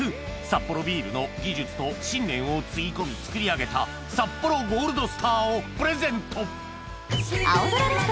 サッポロビールの技術と信念をつぎ込み作り上げたサッポロゴールドスターをプレゼント